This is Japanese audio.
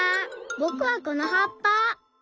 ぼくはこのはっぱ。